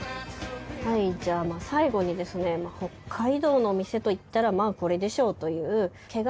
はいじゃあ最後にですね北海道の店といったらまあこれでしょうという。